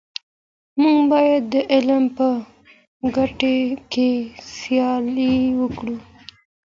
موږ باید د علم په ډګر کي سیالي وکړو.